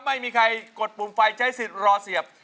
ไม่มีใครกดปุ่มไฟใช้สิทธิ์รอเสียบ